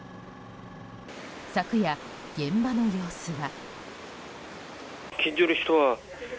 昨夜、現場の様子は。